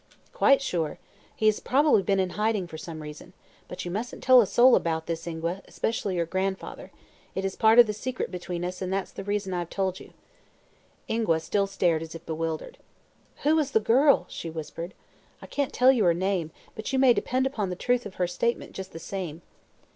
"Quite sure. He has probably been in hiding, for some reason. But you mustn't tell a soul about this, Ingua; especially your grandfather. It is part of the secret between us, and that's the reason I have told you." Ingua still stared as if bewildered. "Who was the girl?" she whispered. "I can't tell you her name, but you may depend upon the truth of her statement, just the same."